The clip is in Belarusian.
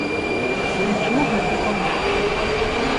Бо лічу гэта памылкай.